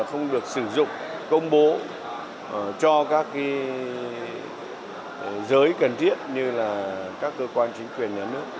không được sử dụng công bố cho các giới cần thiết như là các cơ quan chính quyền nhà nước